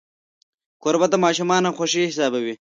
کوربه د ماشومانو خوښي حسابوي.